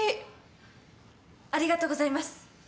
ありがとうございます。